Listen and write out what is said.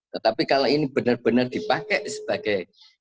tetapi kalau ini benar benar dipakai sebagai